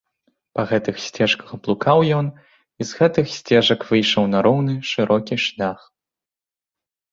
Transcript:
Па гэтых сцежках блукаў ён і з гэтых сцежак выйшаў на роўны, шырокі шлях.